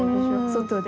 外で。